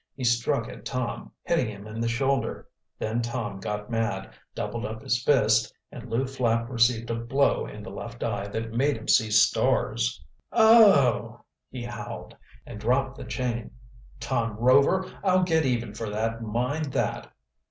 He struck at Tom, hitting him in the shoulder. Then Tom got mad, doubled up his fist, and Lew Flapp received a blow in the left eye that made him see stars. "Oh!" he howled and dropped the chain. "Tom Rover, I'll get even for that, mind that!"